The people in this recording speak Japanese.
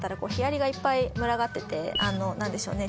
あのなんでしょうね。